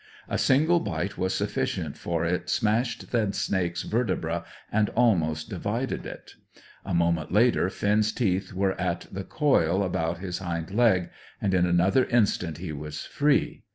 A single bite was sufficient, for it smashed the snake's vertebrae and almost divided it. A moment later Finn's teeth were at the coil about his hind leg, and in another instant he was free.